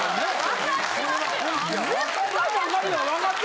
わかってますよ。